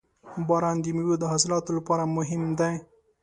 • باران د میوو د حاصلاتو لپاره مهم دی.